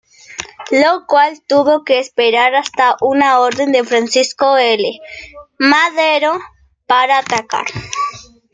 Lo cual tuvo que esperar hasta una orden de Francisco I. Madero para atacar.